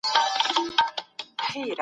چرته چي بېل سومه له بخته ته راورسېدې